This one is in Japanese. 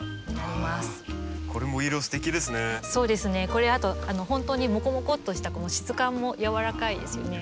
これあと本当にもこもこっとした質感も柔らかいですよね。